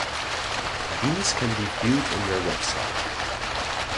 These can be viewed on their website.